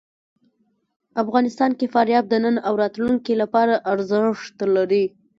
افغانستان کې فاریاب د نن او راتلونکي لپاره ارزښت لري.